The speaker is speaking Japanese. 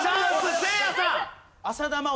せいやさん。